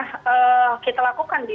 ketika beberapa kasus dari pondok pesantren